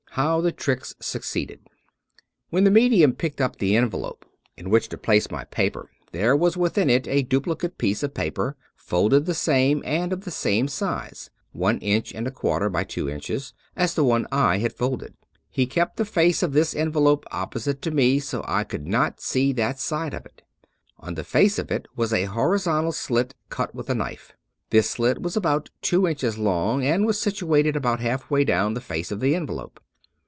HOW THE TRICKS SUCCEEDED When the medium picked up the envelope in which to place my paper, there was within it a duplicate piece of paper folded the same, and of the same size (one inch and a quarter by two inches) as the one I had folded. He kept the face of this envelope opposite me so I could not see that side of it. On the face of it was a horizontal slit cut with a knife. This slit was about two inches long and was situated about halfway down the face of the envelope.